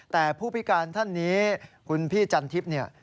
แต่ผู้พิการท่านนี้คุณพี่จันทิพย์เนี่ย